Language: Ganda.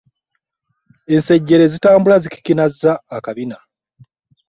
Ensejjere zitambula zikikinazza akabina.